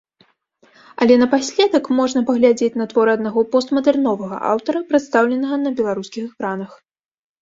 Але напаследак можна паглядзець на творы аднаго постмадэрновага аўтара, прадстаўленага на беларускіх экранах.